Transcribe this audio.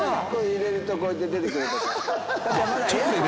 入れるとこうやって出て来る。